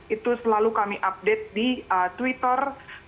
itu selalu kami update di twitter